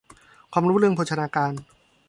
ความรู้เรื่องโภชนาการ